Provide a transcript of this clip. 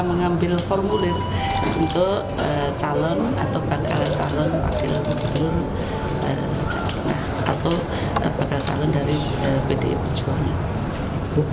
mengambil formulir untuk calon atau bakal calon wakil gubernur jawa tengah atau bakal calon dari pdi perjuangan